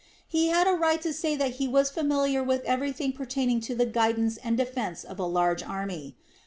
He had a right to say that he was familiar with everything pertaining to the guidance and defence of a large army.